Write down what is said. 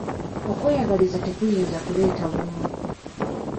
Okweyagaliza tekuyinza kuleeta bumu.